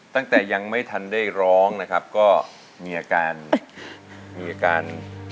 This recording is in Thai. แต่ยังไม่ทันได้ร้องนะครับก็มีอาการ